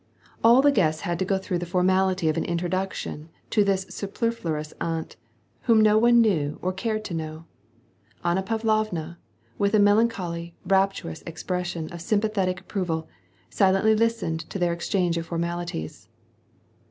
All the guests had to go through the formality of an intro iaction to this superfluous aunt, whom no one knew or cared t^ ' aow. Anna Pavlovna, with a melancholy, rapturous ex pL.doion of sympathetic approval, silently listened to their ''zchange of formalities.